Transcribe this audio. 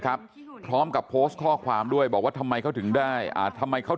ครับพร้อมกับโพสต์ข้อความด้วยบอกว่าทำไมเขาถึงได้อ่าทำไมเขา